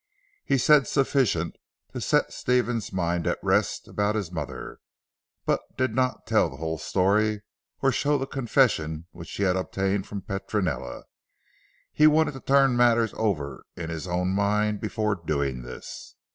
He said sufficient to set Stephen's mind at rest about his mother, but did not tell the whole story or show the confession which he had obtained from Petronella. He wanted to turn matters over in his own mind before doing this.